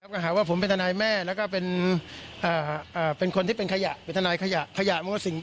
ก็หาว่าผมเป็นทนายแม่แล้วก็เป็นคนที่เป็นขยะเป็นทนายขยะขยะมั่วสิ่ง